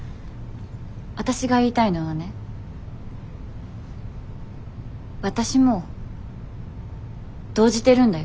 わたしが言いたいのはねわたしも動じてるんだよ。